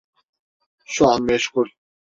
Şu an meşgul.